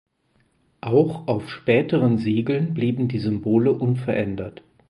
Auch auf späteren Siegeln blieben die Symbole unverändert.